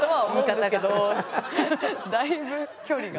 だいぶ距離が。